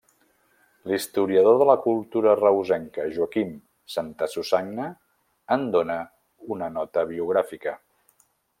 L'historiador de la cultura reusenca Joaquim Santasusagna en dóna una nota biogràfica.